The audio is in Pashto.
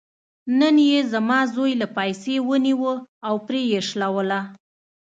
نن یې زما زوی له پایڅې ونیوه او پرې یې شلوله.